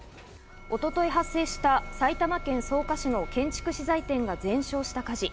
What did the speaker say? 一昨日発生した埼玉県草加市の建築資材店が全焼した火事。